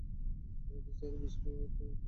তাদের চেহারায় বিস্ময় ভাব ফুটে উঠল।